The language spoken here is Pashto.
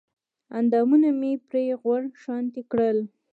اندامونه مې پرې غوړ شانتې کړل